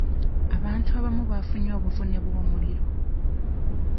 Abantu abamu baafunye obuvune bw'omuliro.